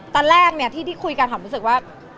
ตอนแรกที่คุยกันหอมรู้สึกว่า